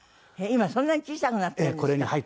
今そんなに小さくなってるんですか？